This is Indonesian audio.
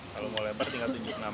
kalau mau lempar tinggal tunjuk nama